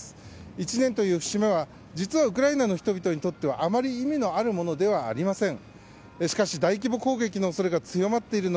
１年という節目は実はウクライナの人々にとってはあまり意味のあるものではありません。